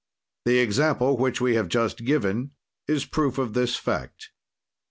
"The example which we have just given is a proof of this fact.